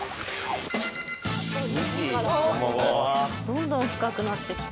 どんどん深くなってきて。